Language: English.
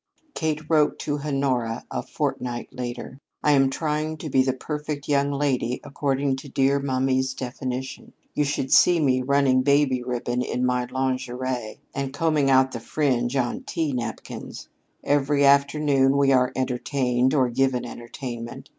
Kate wrote to Honora a fortnight later: I am trying to be the perfect young lady according to dear mummy's definition. You should see me running baby ribbon in my lingerie and combing out the fringe on tea napkins. Every afternoon we are 'entertained' or give an entertainment.